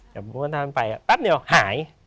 กับทุกคนทางนั้นไปปั๊บเดี๋ยวหาย